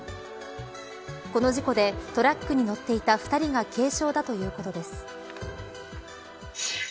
この事故でトラックに乗っていた２人が軽傷だということです。